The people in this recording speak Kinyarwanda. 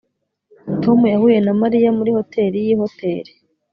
Tom yahuye na Mariya muri hoteri yi hoteri